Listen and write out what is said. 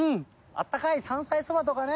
あったかい山菜そばとかね。